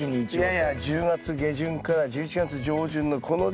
いやいや１０月下旬から１１月上旬のこの時期に。